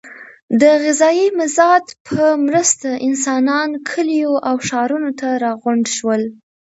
د غذایي مازاد په مرسته انسانان کلیو او ښارونو ته راغونډ شول.